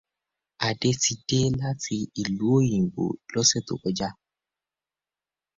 Adé ti dé láti ìlú òyìbó lọ́sẹ̀ tó kọjá.